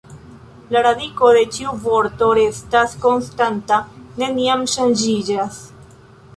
La radiko de ĉiu vorto restas konstanta, neniam ŝanĝiĝas.